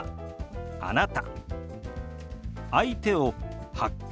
「あなた」。